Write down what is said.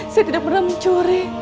saya tidak pernah mencuri